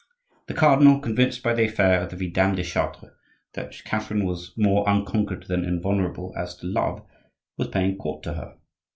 The cardinal, convinced by the affair of the Vidame de Chartres, that Catherine was more unconquered than invulnerable as to love, was paying court to her.